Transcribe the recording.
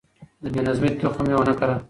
د بې نظمۍ تخم يې ونه کره.